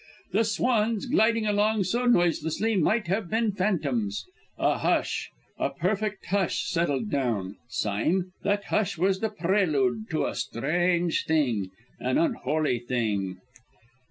The swans, gliding along so noiselessly, might have been phantoms. A hush, a perfect hush, settled down. Sime, that hush was the prelude to a strange thing an unholy thing!"